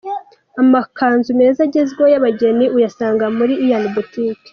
Amakanzu meza agezweho y'abageni uyasanga muri Ian Boutique.